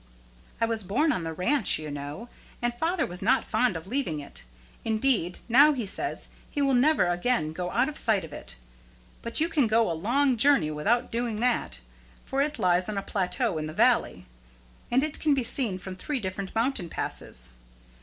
"I was born on the ranch, you know; and father was not fond of leaving it. Indeed, now he says he will never again go out of sight of it. But you can go a long journey without doing that; for it lies on a plateau in the valley, and it can be seen from three different mountain passes.